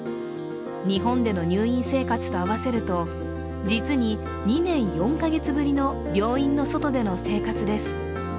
日本での入院生活と合わせると実に２年４か月ぶりの病院の外での生活です。